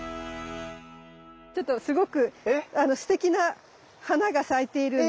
ちょっとすごくすてきな花が咲いているんで。